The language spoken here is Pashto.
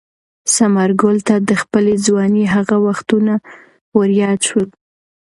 ثمرګل ته د خپلې ځوانۍ هغه وختونه وریاد شول.